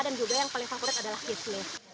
dan juga yang paling favorit adalah kisne